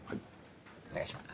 お願いします。